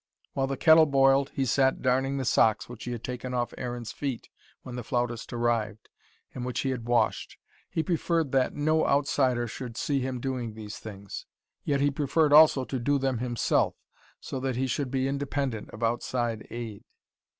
While the kettle boiled, he sat darning the socks which he had taken off Aaron's feet when the flautist arrived, and which he had washed. He preferred that no outsider should see him doing these things. Yet he preferred also to do them himself, so that he should be independent of outside aid.